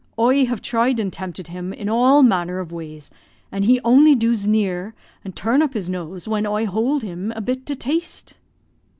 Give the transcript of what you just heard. Oie have tried and tempted him in all manner ov ways, and he only do zneer and turn up his nose when oie hould him a bit to taste."